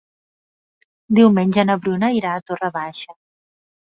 Diumenge na Bruna irà a Torre Baixa.